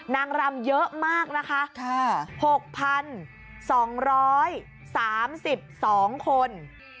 นางรำเยอะมากนะคะ๖๒๓๒คน